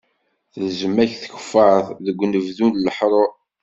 Telzem-ak tkeffaṛt deg unebdu n leḥṛuṛ.